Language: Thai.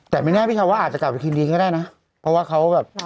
แต่ไม่แน่พี่ชาวว่าอาจจะกลับไปคืนดีก็ได้นะเพราะว่าเขาแบบ